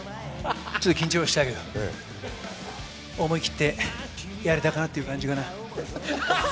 ちょっと緊張したけど、思い切ってやれたかなっていう感じかな？